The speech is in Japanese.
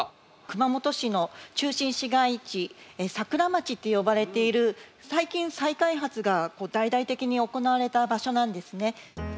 熊本市の中心市街地桜町って呼ばれている最近再開発が大々的に行われた場所なんですね。